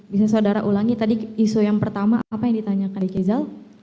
bisa saudara ulangi tadi isu yang pertama apa yang ditanyakan ricky zal